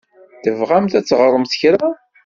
Tebɣamt ad teɣṛemt kra?